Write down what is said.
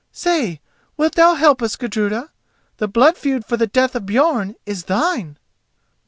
Say, wilt thou help us, Gudruda? The blood feud for the death of Björn is thine."